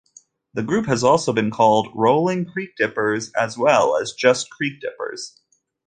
The group has also been called Rolling Creekdippers as well as just Creekdippers.